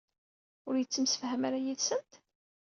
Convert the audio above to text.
Ur yettemsefham ara yid-sent?